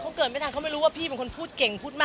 เขาเกิดไม่ทันเขาไม่รู้ว่าพี่เป็นคนพูดเก่งพูดมาก